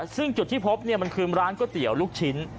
ซึ่งจุดที่พบมันคือร้านก๋วยเตี๋ยวลูกชิ้น